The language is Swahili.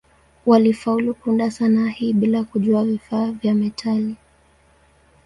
Walifaulu kuunda sanaa hii bila kujua vifaa vya metali.